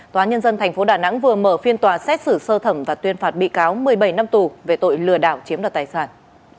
tòa nhân dân tp đà nẵng vừa mở phiên tòa xét xử sơ thẩm và tuyên phạt bị cáo một mươi bảy năm tù về tội lừa đảo chiếm đoạt tài sản